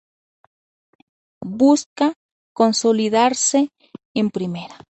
Busca consolidarse en Primera.